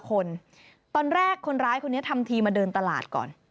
คนตอนแรกคนร้ายคนนี้ทำทีมาเดินตลาดก่อน